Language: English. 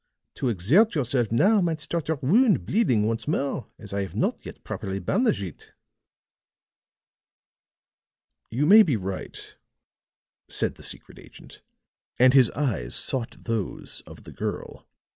To exert yourself now might start your wound bleeding once more, as I have not yet properly bandaged it." "You may be right," said the secret agent, and his eyes sought those of the girl.